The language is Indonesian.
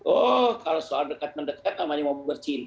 oh kalau soal dekat mendekat yang mana yang mau bercinta